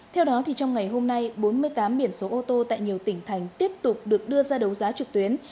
theo đó trong ngày hôm nay bốn mươi tám biển số ô tô tại nhiều tỉnh thành tiếp tục được đưa ra đấu giá trực tuyến